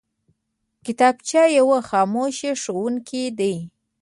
کتابچه یو خاموش ښوونکی دی